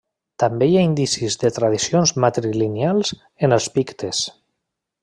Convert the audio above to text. També hi ha indicis de tradicions matrilineals en els pictes.